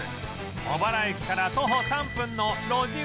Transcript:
茂原駅から徒歩３分の路地